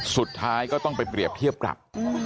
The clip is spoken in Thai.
สุดท้ายก็ต้องไปเปรียบเทียบปรับ